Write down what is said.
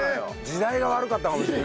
「時代が悪かった」。